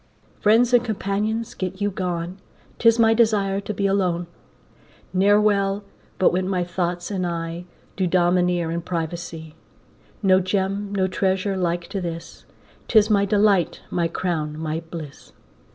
Friends and companions get you gone, 'Tis my desire to be alone; Ne'er well but when my thoughts and I Do domineer in privacy. No Gem, no treasure like to this, 'Tis my delight, my crown, my bliss.